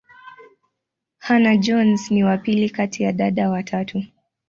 Hannah-Jones ni wa pili kati ya dada watatu.